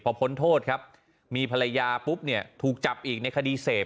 พอพ้นโทษครับมีภรรยาปุ๊บเนี่ยถูกจับอีกในคดีเสพ